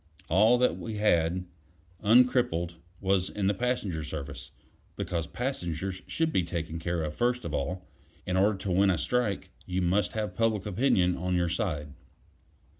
All that we had, uncrippled, was in the passenger service, because passengers should be taken care of first of all. In order to win a strike, you must have public opinion on your side.